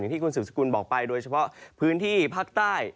ที่คุณสืบสกุลบอกไปโดยเฉพาะพื้นที่ภาคใต้